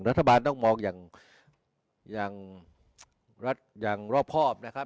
รัฐบาลต้องมองอย่างรอบครอบนะครับ